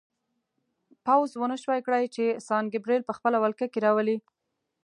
پوځ ونه شوای کړای چې سان ګبریل په خپله ولکه کې راولي.